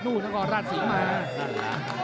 นู่นสมัครมาก